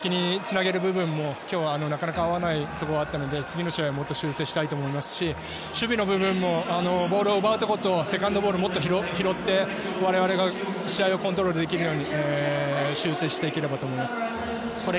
ビルドアップのところはまだまだ課題ですし奪ってから攻撃につなげる部分も今日はなかなか合わないところがあったので次の試合はもっと修正したいと思いますし守備の部分もボールを奪うところとセカンドボールをもっと拾って我々が試合をコントロールできるように修正していければと思います。